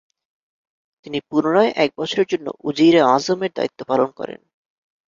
তিনি পুনরায় এক বছরের জন্য উজিরে আজমের দায়িত্ব পালন করেন।